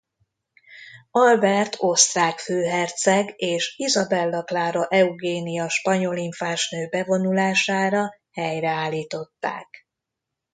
Albert osztrák főherceg és Izabella Klára Eugénia spanyol infánsnő bevonulására helyreállították.